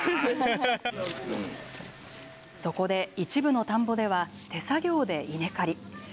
そこで一部の田んぼでは、手作業で稲刈り。